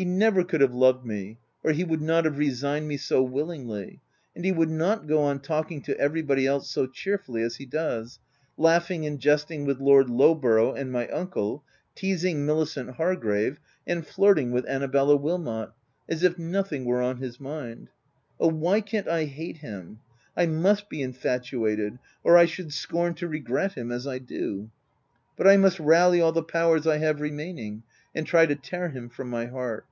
He never could have loved me, or he would not have resigned me so willingly, and he would not go on talking to everybody else so cheerfully as he does — laughing and jesting with Lord Lowborough and my uncle, teasing Milicent Hargrave, and flirting with Annabella Wilmot — as if nothing w r ere on his mind. Oh, why can't I hate him ? I must be infatuated, or I should scorn to regret him as I do ! But I must rally all the powers I have remaining, and try to tear him from my heart.